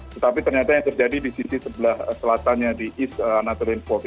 tetapi ternyata yang terjadi di sisi sebelah selatannya di east naturalin forbes